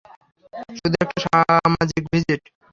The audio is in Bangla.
শুধু একটা সামাজিক ভিজিট।